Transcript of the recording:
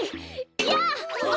やあ！